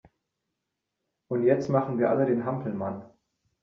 Und jetzt machen wir alle den Hampelmann